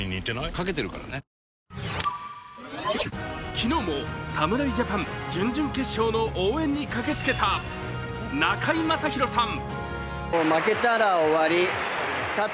昨日も侍ジャパン準々決勝の応援に駆けつけた中居正広さん。